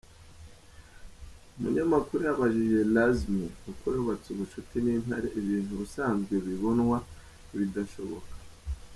Umunyamakuru yabajije Lazmi uko yubatse ubushuti n’ intare ibintu ubusanzwe bibonwa nk’ ibidashoboka.